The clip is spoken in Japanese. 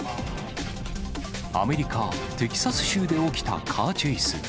アメリカ・テキサス州で起きたカーチェイス。